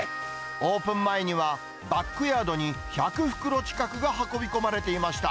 オープン前には、バックヤードに１００袋近くが運び込まれていました。